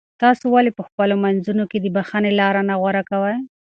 تاسو ولې په خپلو منځونو کې د بښنې لاره نه غوره کوئ؟